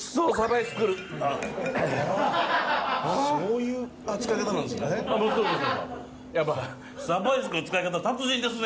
そういう扱い方なんですね。